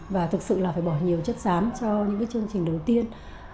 và thực sự là phải bỏ nhiều chất xám cho những cái chương trình đầu tiên